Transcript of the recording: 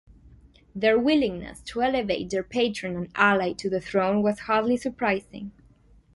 Their willingness to elevate their patron and ally to the throne was hardly surprising.